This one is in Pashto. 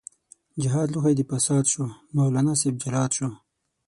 جهاد لوښی د فساد شو، مولانا صاحب جلاد شو